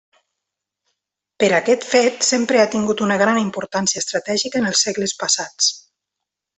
Per aquest fet, sempre ha tingut una gran importància estratègica en els segles passats.